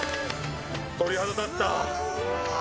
鳥肌立った。